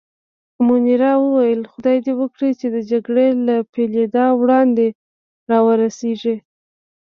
منیرا وویل: خدای دې وکړي چې د جګړې له پېلېدا وړاندې را ورسېږي.